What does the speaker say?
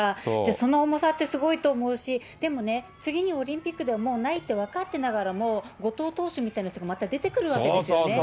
その重さってすごいと思うし、でもね、次にオリンピックでもうないって分かってながらも、後藤投手みたいな人がまた出てくるわけですよね。